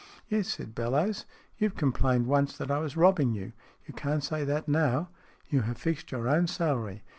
" Yes," said Bellowes. " You have complained once that I was robbing you. You can't say that now. You have fixed your own salary.